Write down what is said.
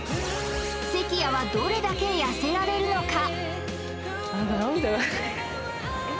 関谷はどれだけ痩せられるのか？